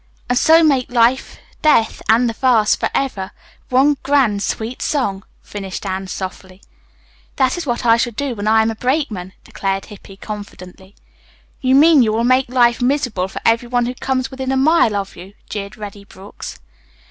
"'And so make life, death and the vast forever One grand sweet song,'" finished Anne softly. "That is what I shall do when I am a brakeman," declared Hippy confidently. "You mean you will make life miserable for every one who comes within a mile of you," jeered Reddy Brooks.